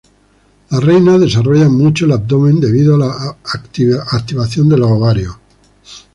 Las reinas desarrollan mucho el abdomen debido a la activación de los ovarios.